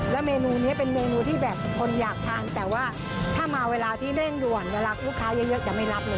เมนูนี้เป็นเมนูที่แบบคนอยากทานแต่ว่าถ้ามาเวลาที่เร่งด่วนเวลาลูกค้าเยอะจะไม่รับเลย